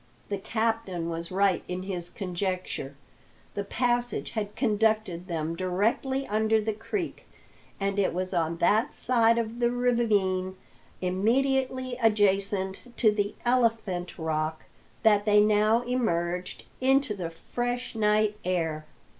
The captain was right in his conjecture; the passage had conducted them directly under the creek, and it was on that side of the ravine immediately adjacent to the Elephant Rock that they now emerged into the fresh night air.